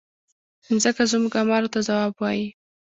مځکه زموږ اعمالو ته ځواب وایي.